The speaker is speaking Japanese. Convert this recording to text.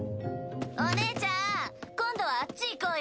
お姉ちゃん今度はあっち行こうよ。